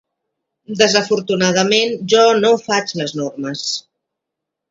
Desafortunadament jo no faig les normes.